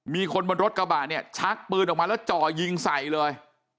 มีคนบนรถกระบะเนี่ยชักปืนออกมาแล้วจ่อยิงใส่เลย